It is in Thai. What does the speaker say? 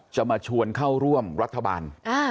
จะมาชวนเข้าร่วมรัฐบาล